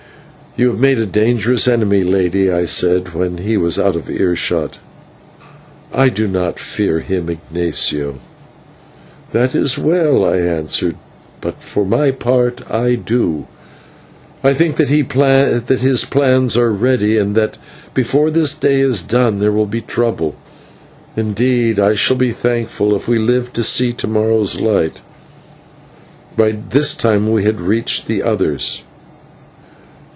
"You have made a dangerous enemy, Lady," I said, when he was out of earshot. "I do not fear him, Ignatio." "That is well," I answered, "but for my part I do. I think that his plans are ready, and that before this day is done there will be trouble. Indeed, I shall be thankful if we live to see to morrow's light." By this time we had reached the others.